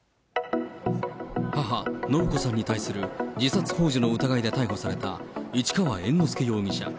母、延子さんに対する自殺ほう助の疑いで逮捕された市川猿之助容疑者。